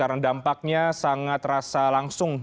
karena dampaknya sangat terasa langsung